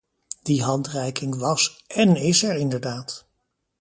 Die handreiking was én is er inderdaad.